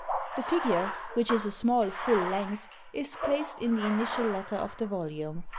The figure, which is a small full length, is placed in the initial letter of the volume.